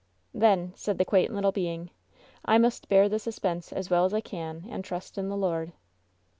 "Then," said the quaint little being, "1 must bear the suspense as well as I can and trust in the Lord."